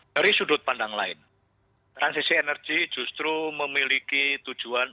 dari sudut pandang lain transisi energi justru memiliki tujuan